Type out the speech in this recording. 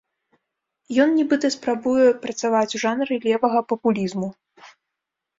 Ён, нібыта, спрабуе працаваць у жанры левага папулізму.